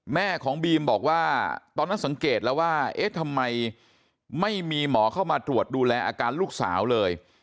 แม่ของบีมบอกว่าตอนนั้นสังเกตแล้วว่าเอ๊ะทำไมไม่มีหมอเข้ามาตรวจดูแลอาการลูกสาวเลย